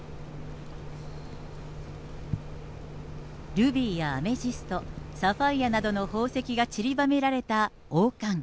ルビーやアメジスト、サファイアなどの宝石がちりばめられた王冠。